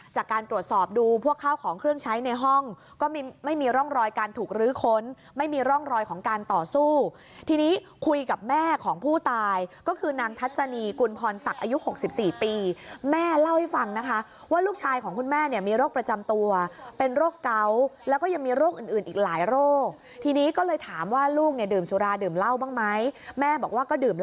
จากการตรวจสอบดูพวกข้าวของเครื่องใช้ในห้องก็ไม่มีร่องรอยการถูกรื้อค้นไม่มีร่องรอยของการต่อสู้ทีนี้คุยกับแม่ของผู้ตายก็คือนางทัศนีกุลพรศักดิ์อายุหกสิบสี่ปีแม่เล่าให้ฟังนะคะว่าลูกชายของคุณแม่เนี่ยมีโรคประจำตัวเป็นโรคเกาแล้วก็ยังมีโรคอื่นอีกหลายโรคทีนี้ก็เลยถามว่าลู